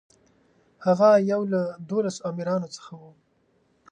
هغه یو له دولسو امیرانو څخه و.